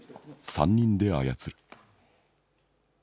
三人で操る。